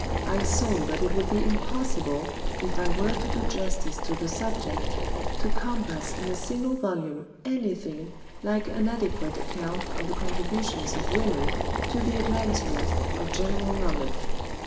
I saw that it would be impossible, if I were to do justice to the subject, to compass in a single volume anything like an adequate account of the contributions of women to the advancement of general knowledge.